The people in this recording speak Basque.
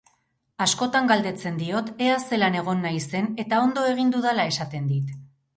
Askotan galdetzen diot ea zelan egon naizen eta ondo egin dudala esaten dit.